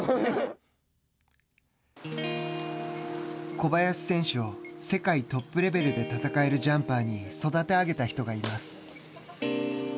小林選手を世界トップレベルで戦えるジャンパーに育て上げた人がいます。